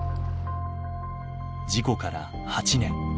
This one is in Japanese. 事故から８年。